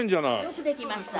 よくできました。